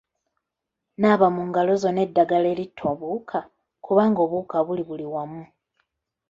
Naaba mu ngalo zo n'eddagala eritta obuwuka kubanga obuwuka buli buli wamu.